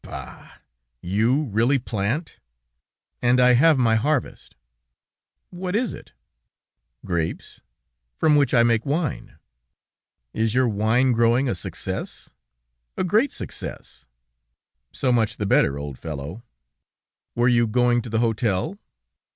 "Bah! You really plant?" "And I have my harvest." "What is it?" "Grapes, from which I make wine." "Is your wine growing a success?" "A great success." "So much the better, old fellow." "Were you going to the hotel?"